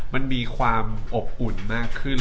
มันมีความอบอุ่นมากขึ้น